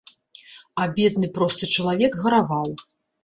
А бедны, просты чалавек гараваў.